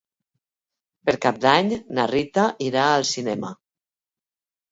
Per Cap d'Any na Rita irà al cinema.